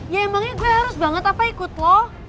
ya emangnya gue harus banget apa ikut loh